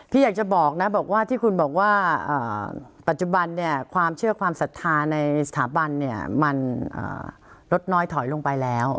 อยากจะบอกนะบอกว่าที่คุณบอกว่าปัจจุบันเนี่ยความเชื่อความศรัทธาในสถาบันเนี่ยมันลดน้อยถอยลงไปแล้ว